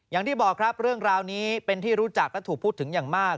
อย่างที่บอกครับเรื่องราวนี้เป็นที่รู้จักและถูกพูดถึงอย่างมาก